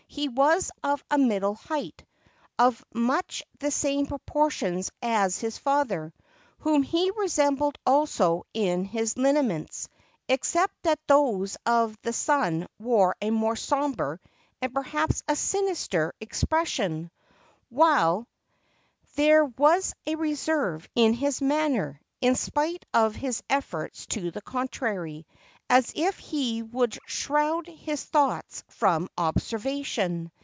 He was of a middle height, of much the same proportions as his father, whom he resembled also in his Hneaments, — except that those of the son wore a more somber, and perhaps a sinister expression; while there was a reserve in his manner, in spite of his efforts to the contrary, as if he would shroud his thoughts from observation.